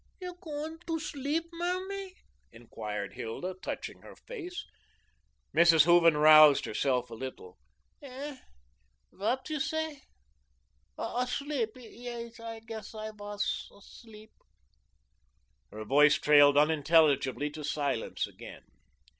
"You going to sleep, Mammy?" inquired Hilda, touching her face. Mrs. Hooven roused herself a little. "Hey? Vat you say? Asleep? Yais, I guess I wass asleep." Her voice trailed unintelligibly to silence again.